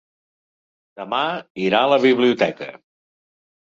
Demà irà a la biblioteca.